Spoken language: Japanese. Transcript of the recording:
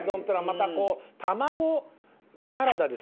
またこうタマゴサラダですか？